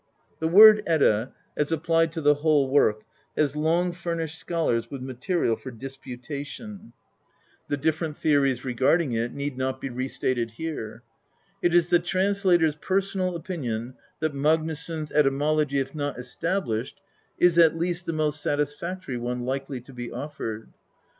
The word "Edda," as applied to the whole work, has long furnished scholars with material for disputation. The xviii INTRODUCTION different theories regarding it need not be re stated here. It is the translator's personal opinion that Magniisson's etymology, if not established, is at least the most satisfac tory one likely to be offered.